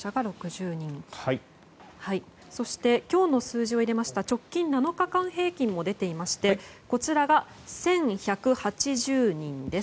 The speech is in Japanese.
そして、今日の数字を入れました直近７日間平均も出ていましてこちらが１１８０人です。